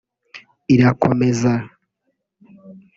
irakomeza